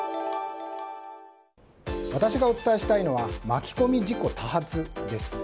私がお伝えしたいのは巻き込み事故、多発です。